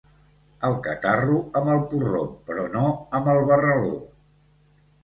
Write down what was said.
El catarro amb el porró, però no amb el barraló.